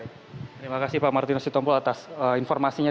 terima kasih pak martinus sitompul atas informasinya